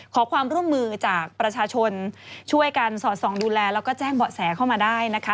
ขอความร่วมมือจากประชาชนช่วยกันสอดส่องดูแลแล้วก็แจ้งเบาะแสเข้ามาได้นะคะ